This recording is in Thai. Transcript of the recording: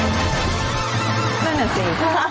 นั่นเหรอสิ